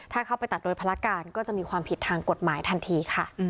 ถ้าเข้าไปตัดโดยภารการก็จะมีความผิดทางกฎหมายทันทีค่ะ